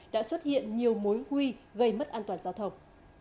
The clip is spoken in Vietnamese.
đã xuất hiện nhiều mối nguy gây mất an toàn giao thông